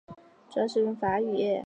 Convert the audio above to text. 主要使用法语。